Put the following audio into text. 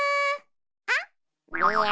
あっ！